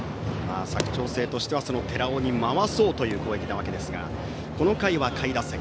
佐久長聖としては寺尾に回そうという攻撃なわけですがこの回は下位打線。